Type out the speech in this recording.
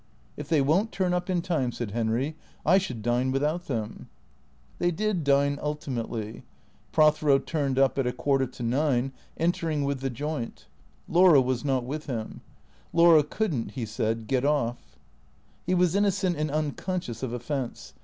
" If they won't turn up in time," said Henry, " I should dine without them." They did dine ultimately. Prothero turned up at a quarter to nine, entering with the joint. Laura was not with him. Laura could n't, he said, " get off." He was innocent and unconscious of offence.